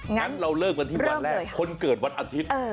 งั้นเราเลิกกันที่วันแรกคนเกิดวันอาทิตย์